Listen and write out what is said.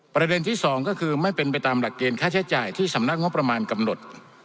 ประเด็นที่สองก็คือไม่เป็นไปตามหลักเกณฑ์ค่าใช้จ่ายที่สำนักงบประมาณกำหนด